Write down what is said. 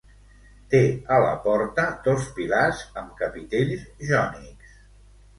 Té a la porta dos pilars amb capitells jònics.